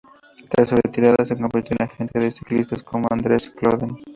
Tras su retirada se convirtió en agente de ciclistas como Andreas Klöden.